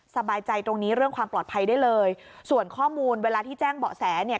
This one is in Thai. สบายใจตรงนี้เรื่องความปลอดภัยได้เลยส่วนข้อมูลเวลาที่แจ้งเบาะแสเนี่ย